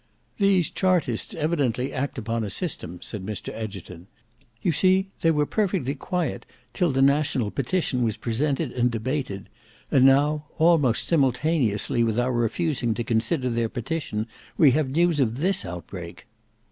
"These chartists evidently act upon a system," said Mr Egerton. "You see they were perfectly quiet till the National Petition was presented and debated; and now, almost simultaneously with our refusing to consider their petition, we have news of this outbreak."